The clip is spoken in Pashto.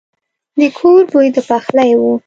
د کور بوی د پخلي وو.